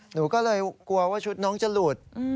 หนูก็เลยกลัวว่าชุดน้องจะหลุด